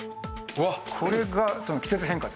これが季節変化です。